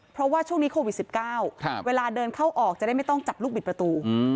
เพราะว่าช่วงนี้โควิด๑๙เวลาเดินเข้าออกจะได้ไม่ต้องจับลูกบิดประตู